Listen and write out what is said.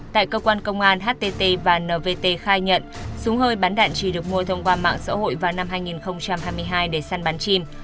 tại cơ quan công an htt và nvt khai nhận súng hơi bắn đạn chỉ được mua thông qua mạng xã hội vào năm hai nghìn hai mươi hai để săn bắn chim